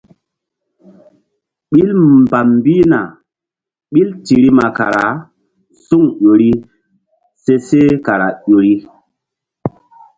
Ɓil mbam mbihna mini ɓil tirim kara suŋ ƴo ri seh kara ƴo ri.